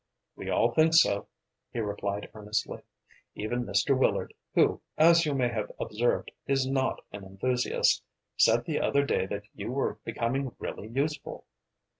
"We all think so," he replied earnestly. "Even Mr. Willard, who, as you may have observed, is not an enthusiast, said the other day that you were becoming really useful."